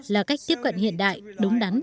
là cách tiếp cận hiện đại đúng đắn